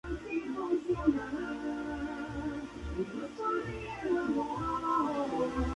En casos de complicación se procede a cirugía.